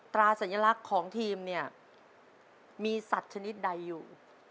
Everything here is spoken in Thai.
ตราสัญลักษณ์ของทีมเนี่ยมีสัตว์ชนิดใดอยู่